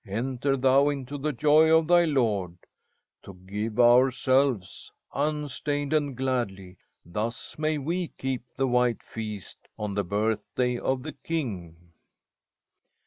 Enter thou into the joy of thy Lord.' To give ourselves, unstained and gladly, thus may we keep the White Feast on the birthday of the King."